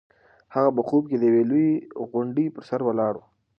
هغه په خوب کې د یوې لویې غونډۍ په سر ولاړه وه.